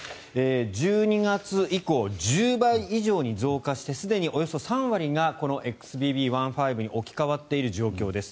１２月以降１０倍以上に増加してすでにおよそ３割がこのＸＢＢ．１．５に置き換わっている状況です。